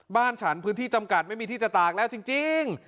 บ้านฉันพื้นที่จำกัดไม่มีที่จะตากแล้วจริง